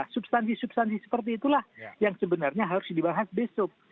substansi substansi seperti itulah yang sebenarnya harus dibahas besok